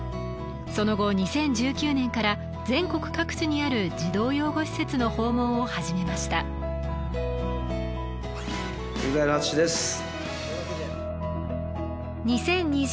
その後２０１９年から全国各地にある児童養護施設の訪問を始めましたＥＸＩＬＥＡＴＳＵＳＨＩです